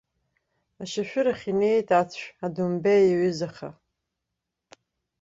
Ашәшьырахь инеит ацә, адомбеи иаҩызаха.